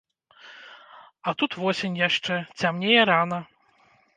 А тут восень яшчэ, цямнее рана.